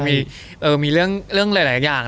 มีเรื่องหลายอย่าง